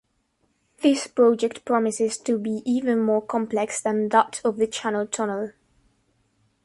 This project promises to be even more complex than that of the Channel Tunnel.